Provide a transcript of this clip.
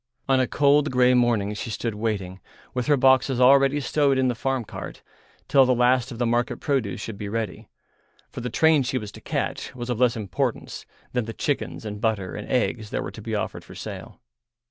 On a cold grey morning she stood waiting, with her boxes already stowed in the farm cart, till the last of the market produce should be ready, for the train she was to catch was of less importance than the chickens and butter and eggs that were to be offered for sale.